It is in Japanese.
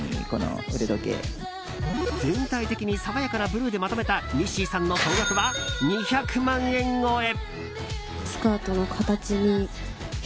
全体的に爽やかなブルーでまとめたＮｉｓｓｙさんの総額は２００万円超え。